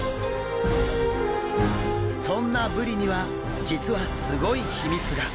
そんなブリには実はすごい秘密が！